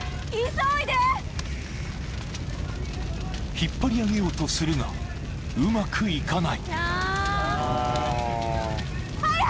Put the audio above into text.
［引っ張り上げようとするがうまくいかない］